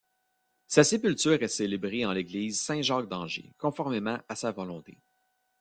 Sa sépulture est célébrée en l'église Saint-Jacques d'Angers, conformément à sa volonté.